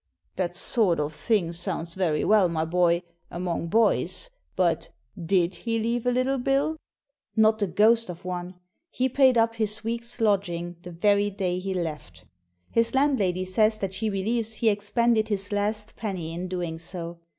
"That sort of thing sounds very well, my boy, among boys ! But did he leave a little bill ?'' "Not a ghost of one. He paid up his week's lodging the very day he left. His landlady says that she believes he expended his last penny in doing so.